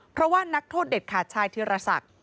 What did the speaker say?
เพราะว่านักโทษเด็ดขาดชายธิรศักดิ์